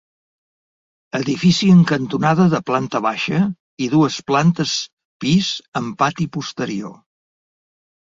Edifici en cantonada de planta baixa i dues plantes pis amb pati posterior.